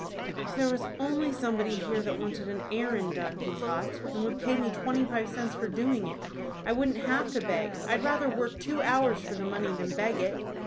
"If there was only somebody here that wanted an errand done," he thought, "and would pay me twenty five cents for doing it, I wouldn't have to beg I'd rather work two hours for the money than beg it."